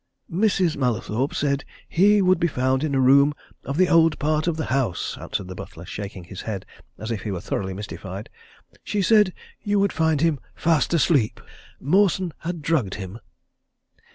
"Mrs. Mallathorpe said he would be found in a room in the old part of the house," answered the butler, shaking his head as if he were thoroughly mystified. "She said you would find him fast asleep Mawson had drugged him!"